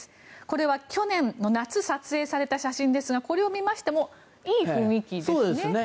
これは去年の夏撮影された写真ですがこれを見ましてもいい雰囲気ですね。